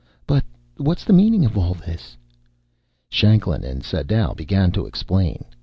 "But what's the meaning of all this?" Shanklin and Sadau began to explain.